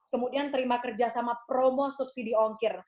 kemudian terima kerjasama promo subsidi ongkir